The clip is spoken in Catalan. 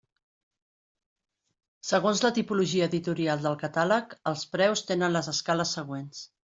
Segons la tipologia editorial del catàleg els preus tenen les escales següents.